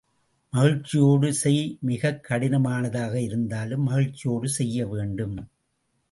மகிழ்ச்சியோடு செய் மிகக் கடினமானதாக இருந்தாலும் மகிழ்ச்சியோடு செய்யவேண்டும்.